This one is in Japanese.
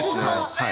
はい。